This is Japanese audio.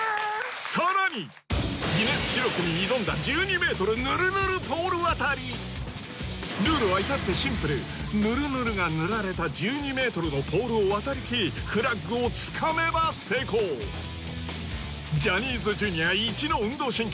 さらにギネス記録に挑んだルールは至ってシンプルぬるぬるが塗られた１２ｍのポールを渡りきりフラッグをつかめば成功ジャニーズＪｒ．いちの運動神経